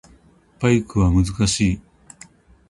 バイクは難しい